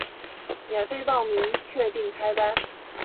免费报名，确定开班